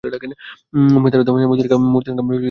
Umme Darda মূর্তির কামরায় প্রবেশ করলেন।